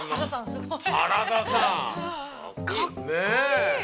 すごいよ。